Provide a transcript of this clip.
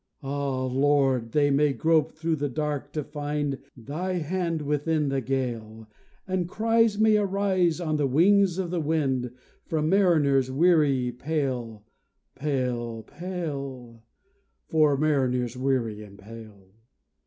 Ah, Lord! they may grope through the dark to find Thy hand within the gale; And cries may rise on the wings of the wind From mariners weary and pale, pale, pale From mariners weary and pale!